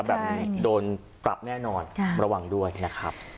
แบบนี้โดนปรับแน่นอนระวังด้วยนะครับ